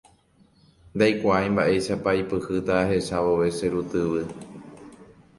ndaikuaái mba'éichapa aipyhýta ahecha vove che ru tyvy